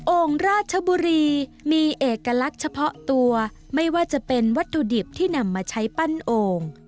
ราชบุรีมีเอกลักษณ์เฉพาะตัวไม่ว่าจะเป็นวัตถุดิบที่นำมาใช้ปั้นโอ่ง